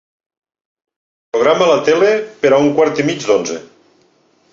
Programa la tele per a un quart i mig d'onze.